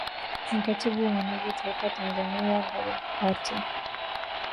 ni katibu mwenezi taifa tanzania labour party